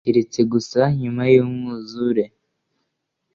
Keretse gusa nyuma y’umwuzure